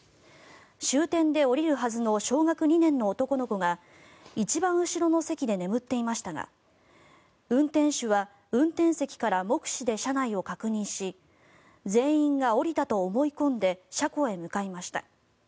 終点で降りるはずの小学２年の男の子が一番後ろの席で眠っていましたが運転手は運転席から目視で車内を確認し全員が降りたと思い込んで車庫へ向かいました。